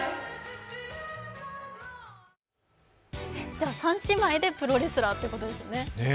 じゃあ三姉妹でプロレスラーってことですね。